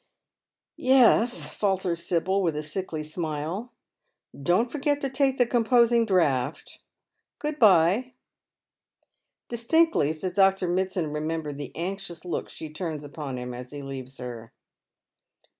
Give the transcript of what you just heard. "Yes," falters Sibyl, with a sickly smile. " Don't forget to take the composing draught. Good bye." Distinctly does Dr. Mitsand remember the anxious look she turns upon him as he leaves her.